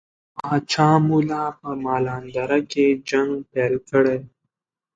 پاچا ملا په مالان دره کې جنګ پیل کړي.